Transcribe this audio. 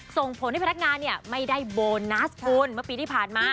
ส่งผลให้พนักงานเนี่ยไม่ได้โบนัสคุณเมื่อปีที่ผ่านมา